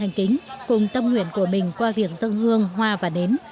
hành kính cùng tâm nguyện của mình qua việc dâng hương hoa và nến